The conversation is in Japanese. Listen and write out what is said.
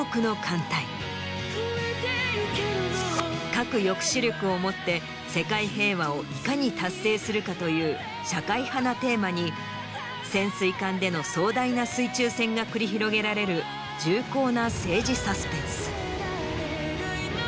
核抑止力をもって世界平和をいかに達成するかという社会派なテーマに潜水艦での壮大な水中戦が繰り広げられる重厚な政治サスペンス。